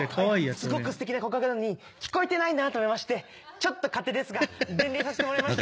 すごくすてきな告白なのに聞こえてないなと思いましてちょっと勝手ですが伝令させてもらいました。